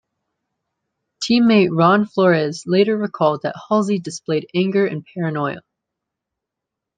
Teammate Ron Flores later recalled that Halsey displayed anger and paranoia.